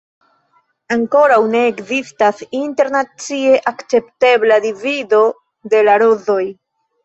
Ankoraŭ ne ekzistas internacie akceptebla divido de la rozoj.